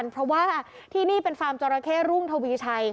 เพราะว่าที่นี่เป็นฟาร์มจราเข้รุ่งทวีชัย